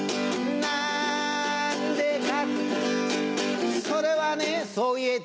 なんでか？